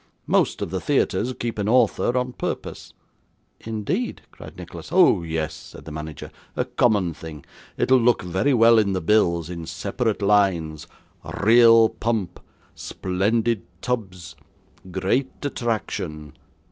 Most of the theatres keep an author on purpose.' 'Indeed!' cried Nicholas. 'Oh, yes,' said the manager; 'a common thing. It'll look very well in the bills in separate lines Real pump! Splendid tubs! Great attraction!